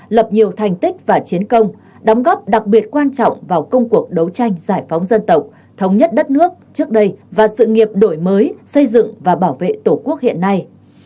lập nhiều thành tích và chiến công đóng góp đặc biệt quan trọng vào công cuộc đấu tranh giải phóng dân tộc thống nhất đất nước trước đây và sự nghiệp đổi mới xây dựng và bảo vệ tổ quốc hiện nay